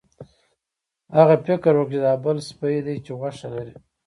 هغه فکر وکړ چې دا بل سپی دی چې غوښه لري.